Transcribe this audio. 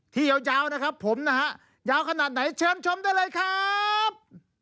ยาวนะครับผมนะฮะยาวขนาดไหนเชิญชมได้เลยครับ